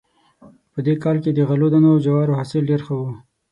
په دې کال کې د غلو دانو او جوارو حاصل ډېر ښه و